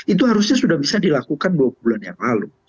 itu harusnya sudah bisa dilakukan dua bulan yang lalu